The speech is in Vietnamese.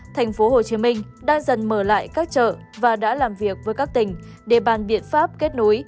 tp hcm đang dần mở lại các chợ và đã làm việc với các tỉnh để bàn biện pháp kết nối